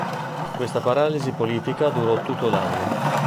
Questa paralisi politica durò tutto l'anno.